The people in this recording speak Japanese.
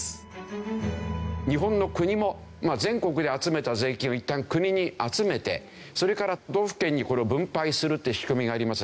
日本の国も全国で集めた税金をいったん国に集めてそれから都道府県にこれを分配するっていう仕組みがありますでしょ？